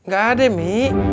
gak ada mi